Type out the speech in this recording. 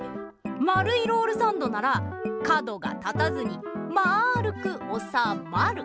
まるいロールサンドなら角が立たずにまるくおさまる。